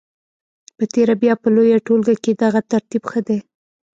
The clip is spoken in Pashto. په تېره بیا په لویه ټولګه کې دغه ترتیب ښه دی.